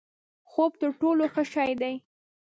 خوب تر ټولو ښه شی دی؛